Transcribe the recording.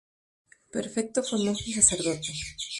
Perfecto fue monje y sacerdote.